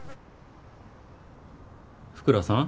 福良さん？